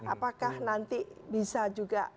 apakah nanti bisa juga